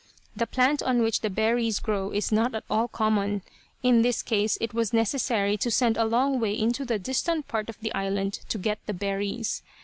The plant on which the berries grow is not at all common. In this case it was necessary to send a long way into a distant part of the island to get the berries.